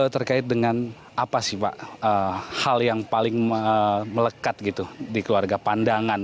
terkait dengan apa sih pak hal yang paling melekat gitu di keluarga pandangan